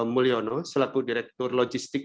mulyono selaku direktur logistik